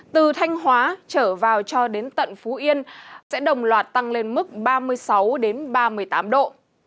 từ thanh hóa trở vào cho đến tận phú yên sẽ đồng loạt tăng lên mức ba mươi sáu ba mươi tám độ